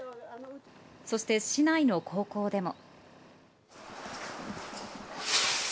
そして市内の高校でも。